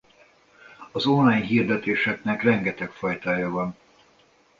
Az online hirdetéseknek rengeteg fajtája van.